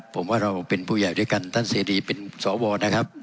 ผมว่าเราเป็นผู้ใหญ่ด้วยกันท่านเสรีเป็นสวนะครับ